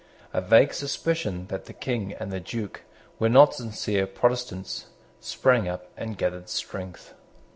A vague suspicion that the King and the Duke were not sincere Protestants sprang up and gathered strength.